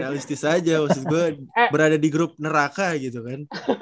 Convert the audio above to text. realistis aja maksud gue berada di grup neraka gitu kan